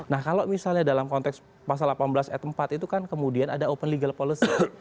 nah kalau misalnya dalam konteks pasal delapan belas ayat empat itu kan kemudian ada open legal policy